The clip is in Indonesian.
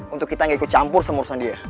untuk kita gak ikut campur sama urusan dia